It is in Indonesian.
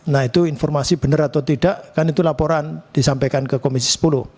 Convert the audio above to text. nah itu informasi benar atau tidak kan itu laporan disampaikan ke komisi sepuluh